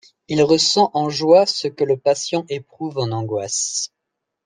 Il ressent en joie ce que le patient éprouve en angoisse.